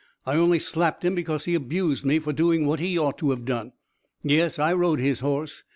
I only slapped him because he abused me for doing what he ought to have done. Yes, I rode his horse.